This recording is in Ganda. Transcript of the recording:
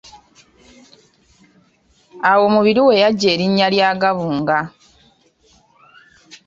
Awo Mubiru w'aggya erinnya lya Gabunga.